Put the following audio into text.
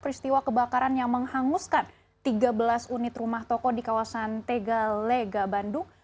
peristiwa kebakaran yang menghanguskan tiga belas unit rumah toko di kawasan tegalega bandung